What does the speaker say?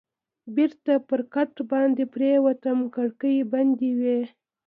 بېرته پر کټ باندې پرېوتم، کړکۍ بندې وې.